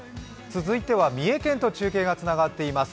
続いては三重県と中継がつながっています。